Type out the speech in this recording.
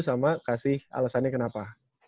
sama kasih alasannya kenapa